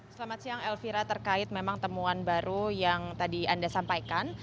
selamat siang elvira terkait memang temuan baru yang tadi anda sampaikan